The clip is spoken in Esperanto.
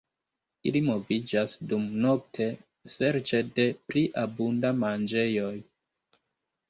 Ili moviĝas dumnokte serĉe de pli abunda manĝejoj.